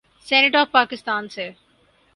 Senate of Pakistan سے۔